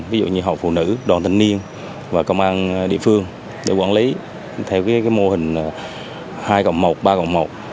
ví dụ như hội phụ nữ đoàn thanh niên và công an địa phương để quản lý theo mô hình hai cộng một ba cộng một